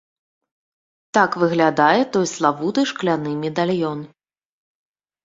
Так выглядае той славуты шкляны медальён.